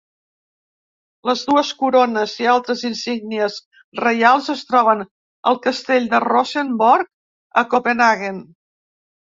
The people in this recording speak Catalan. Les dues corones, i altres insígnies reials, es troben al castell de Rosenborg, a Copenhaguen.